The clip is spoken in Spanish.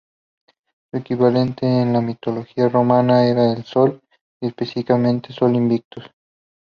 Su equivalente en la mitología romana era el Sol, y específicamente Sol Invictus.